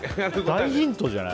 大ヒントじゃん。